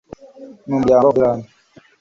n umuryango w aberani